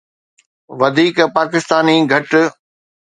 وڌيڪ پاڪستاني گهٽ